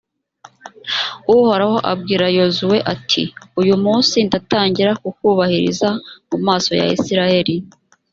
uhoraho abwira yozuwe, ati «uyu munsi ndatangira kukubahiriza mu maso ya israheli.